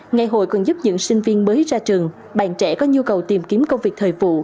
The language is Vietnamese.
ngày hội còn giúp những sinh viên mới ra trường bạn trẻ có nhu cầu tìm kiếm công việc thời vụ